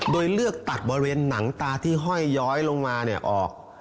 โดยเลือกตักบริเวณหนังตาที่ห้อยย้อยลงมาเนี่ยออก